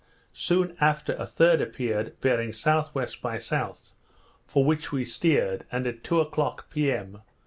Soon after a third appeared, bearing S.W. by S., for which we steered; and at two o'clock p.m.